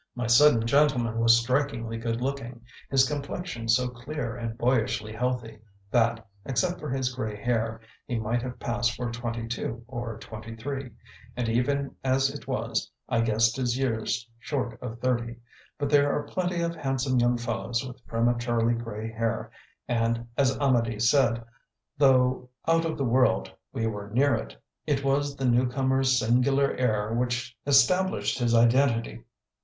My sudden gentleman was strikingly good looking, his complexion so clear and boyishly healthy, that, except for his gray hair, he might have passed for twenty two or twenty three, and even as it was I guessed his years short of thirty; but there are plenty of handsome young fellows with prematurely gray hair, and, as Amedee said, though out of the world we were near it. It was the new comer's "singular air" which established his identity.